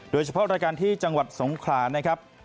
โดยเฉพาะรายการที่จังหวัดสงขลานะครับ